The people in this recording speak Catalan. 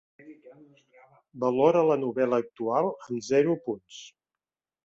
valora la novel·la actual amb zero punts